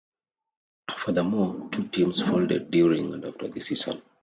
Furthermore, two teams folded during and after the season.